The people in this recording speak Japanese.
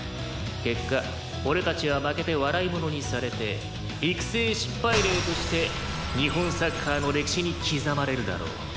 「結果俺たちは負けて笑いものにされて育成失敗例として日本サッカーの歴史に刻まれるだろう」